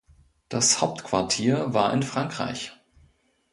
Das Hauptquartier war in Frankreich.